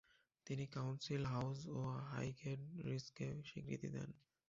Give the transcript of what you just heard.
তিনি council house ও Highgate রিজকে স্বীকৃতি দেন।